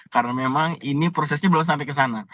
karena memang ini prosesnya belum sampai ke sana